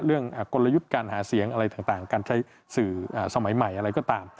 กลยุทธ์การหาเสียงอะไรต่างการใช้สื่อสมัยใหม่อะไรก็ตาม